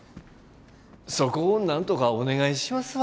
そこをなんとかお願いしますわ。